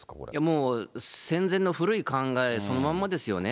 もう戦前の古い考えそのまんまですよね。